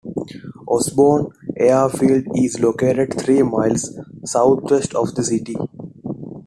Osborn Airfield is located three miles southwest of the city.